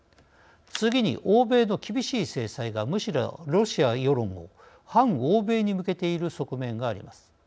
次に欧米の厳しい制裁がむしろロシア世論を反欧米に向けている側面があります。